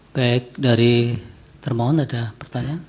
baik dari termohon ada pertanyaan